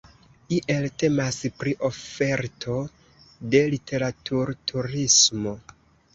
Iel temas pri oferto de literaturturismo.